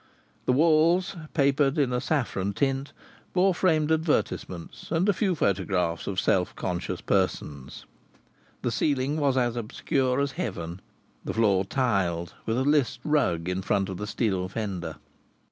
The walls, papered in a saffron tint, bore framed advertisements and a few photographs of self conscious persons. The ceiling was as obscure as heaven; the floor tiled, with a list rug in front of the steel fender.